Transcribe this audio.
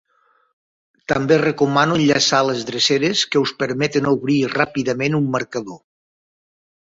També recomano enllaçar les dreceres que us permeten obrir ràpidament un marcador.